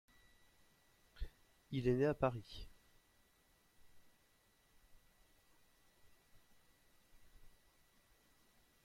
Il est né le à Paris.